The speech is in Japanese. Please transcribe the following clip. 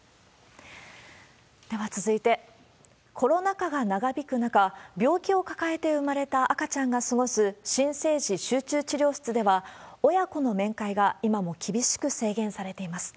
では続いて、コロナ禍が長引く中、病気を抱えて生まれた赤ちゃんが過ごす新生児集中治療室では、親子の面会が今も厳しく制限されています。